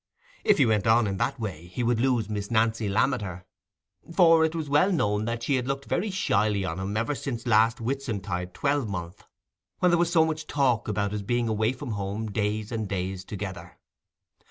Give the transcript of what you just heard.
If he went on in that way, he would lose Miss Nancy Lammeter; for it was well known that she had looked very shyly on him ever since last Whitsuntide twelvemonth, when there was so much talk about his being away from home days and days together.